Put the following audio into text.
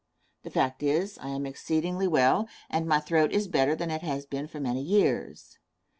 The fact is, I am exceedingly well, and my throat is better than it has been for many years.